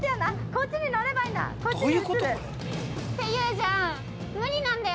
◆こっちに乗ればいいんだ！